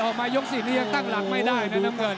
เอาหายกยกที่สินยังตั้งหลักไม่ได้นะนำเงิน